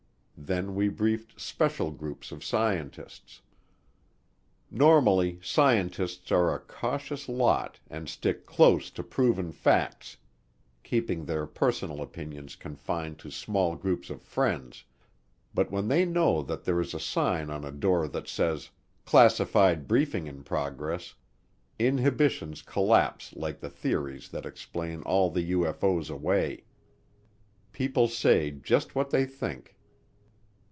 Then we briefed special groups of scientists. Normally scientists are a cautious lot and stick close to proven facts, keeping their personal opinions confined to small groups of friends, but when they know that there is a sign on a door that says "Classified Briefing in Progress," inhibitions collapse like the theories that explain all the UFO's away. People say just what they think.